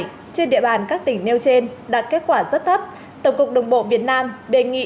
trên địa bàn các tỉnh nêu trên đạt kết quả rất thấp tổng cục đồng bộ việt nam đề nghị